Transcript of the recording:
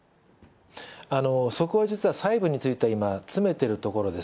そこは実は、細部については今、詰めてるところです。